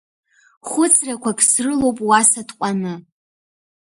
Хәыцрақәак срылоуп уа сытҟәаны.